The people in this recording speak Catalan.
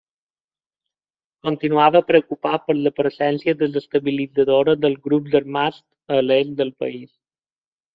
Continuava preocupat per la presència desestabilitzadora dels grups armats a l'est del país.